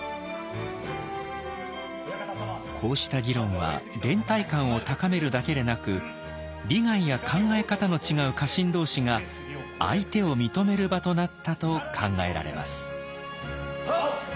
こうした議論は連帯感を高めるだけでなく利害や考え方の違う家臣同士が相手を認める場となったと考えられます。